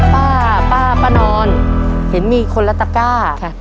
ครอบครัวของแม่ปุ้ยจังหวัดสะแก้วนะครับ